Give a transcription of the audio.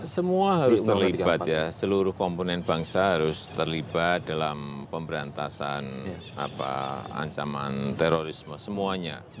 semua harus terlibat ya seluruh komponen bangsa harus terlibat dalam pemberantasan ancaman terorisme semuanya